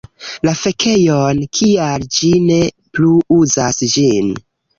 La fekejon. Kial ĝi ne plu uzas ĝin.